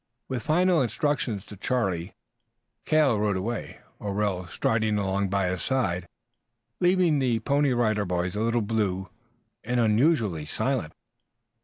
With final instructions to Charlie, Cale rode away, O'Rell striding along by his side, leaving the Pony Rider Boys a little blue and unusually silent.